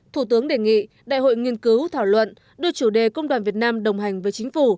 thủ tướng đề nghị đại hội nghiên cứu thảo luận đưa chủ đề công đoàn việt nam đồng hành với chính phủ